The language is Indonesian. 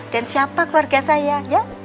dan siapa keluarga saya ya